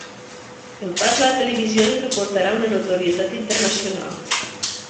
El pas a la televisió li reportarà una notorietat internacional.